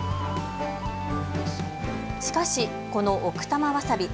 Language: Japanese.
しかしこの奥多摩わさび。